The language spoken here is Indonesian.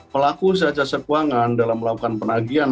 pelaku saja sekuangan dalam melakukan penagihan